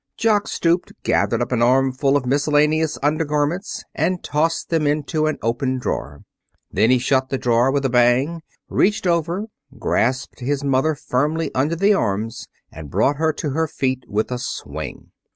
Jock stooped, gathered up an armful of miscellaneous undergarments and tossed them into an open drawer. Then he shut the drawer with a bang, reached over, grasped his mother firmly under the arms and brought her to her feet with a swing.